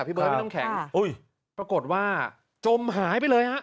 พี่เบิ้ลไม่ต้องแข็งอุ้ยปรากฏว่าจมหายไปเลยอ่ะ